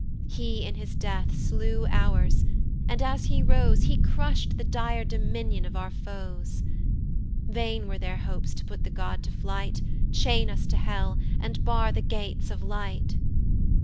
"He in his death slew ours, and, as he rose, "He crush'd the dire dominion of our foes; "Vain were their hopes to put the God to flight, "Chain us to hell, and bar the gates of light."